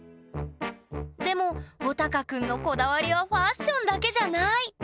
でもほたかくんのこだわりはファッションだけじゃない！